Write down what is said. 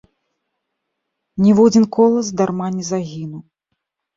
Ніводзін колас дарма не загінуў.